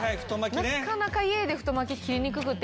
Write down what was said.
なかなか家で太巻き切りにくくて。